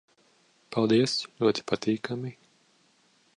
Paldies. Ļoti patīkami...